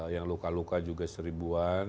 yang luka luka juga seribuan